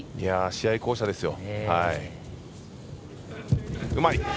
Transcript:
試合巧者ですよ。